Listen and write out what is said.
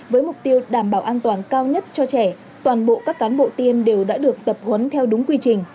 với mục tiêu đảm bảo an toàn cao nhất cho trẻ toàn bộ các cán bộ tiêm đều đã được tập huấn theo đúng quy trình